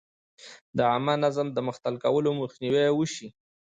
د عامه نظم د مختل کولو مخنیوی وشي.